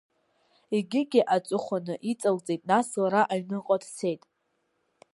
Егьигьы аҵыхәаны иҵалҵеит, нас лара аҩныҟа дцеит.